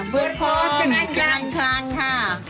เวิร์ดพรมแกงคลังค่ะ